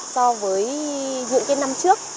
so với những cái năm trước